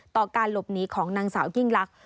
ต่อการหลบหนีของนางสาวยิ่งลักษณ